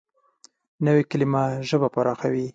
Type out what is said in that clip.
نوې کلیمه ژبه پراخوي